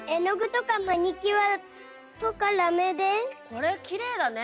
これきれいだね。